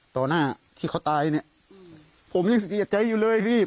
หน้าที่เขาตายเนี่ยผมยังสังเกตใจอยู่เลยพี่